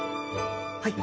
はい。